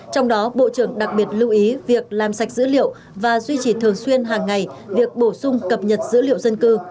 trong đó bộ trưởng đặc biệt lưu ý việc làm sạch dữ liệu và duy trì thường xuyên hàng ngày việc bổ sung cập nhật dữ liệu dân cư